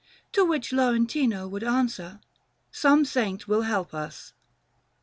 To which Lorentino would answer, "Some Saint will help us."